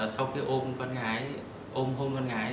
sau khi ôm con gái ôm hôn con gái